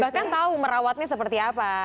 bahkan tahu merawatnya seperti apa